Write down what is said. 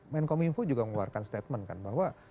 menkominfo juga mengeluarkan statement kan bahwa